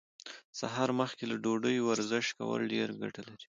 سهار مخکې له ډوډۍ ورزش کول ډيره ګټه لري.